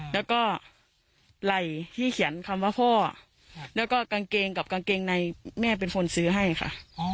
แล้วก็ไหล่ที่เขียนคำว่าพ่อแล้วก็กางเกงกับกางเกงในแม่เป็นคนซื้อให้ค่ะ